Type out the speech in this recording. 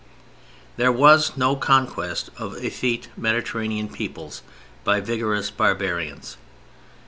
There was no conquest of effete Mediterranean peoples by vigorous barbarians.